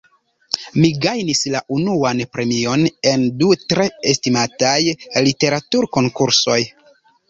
Mi gajnis la unuan premion en du tre estimataj literaturkonkursoj.